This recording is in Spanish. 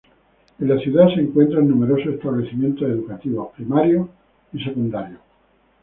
En la ciudad se encuentran numerosos establecimientos educativos primarios y secundarios.